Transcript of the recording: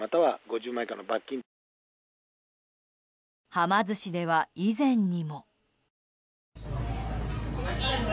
はま寿司では、以前にも。